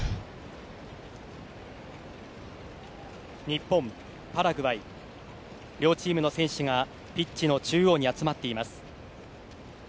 日本、パラグアイ両チームの選手がピッチの中央に集まっています。